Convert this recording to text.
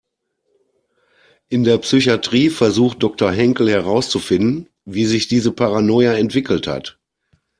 In der Psychatrie versucht Doktor Henkel herauszufinden, wie sich diese Paranoia entwickelt hat.